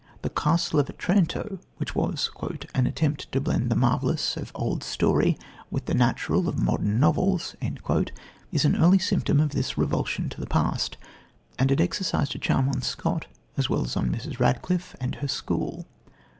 The Castle of Otranto, which was "an attempt to blend the marvellous of old story with the natural of modern novels" is an early symptom of this revulsion to the past; and it exercised a charm on Scott as well as on Mrs. Radcliffe and her school.